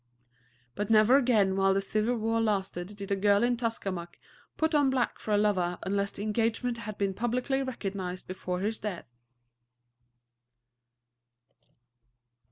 But never again while the Civil War lasted did a girl in Tuskamuck put on black for a lover unless the engagement had been publicly recognized before his death.